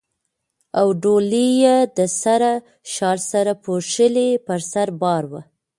او ډولۍ یې د سره شال سره پوښلې پر سر بار وه.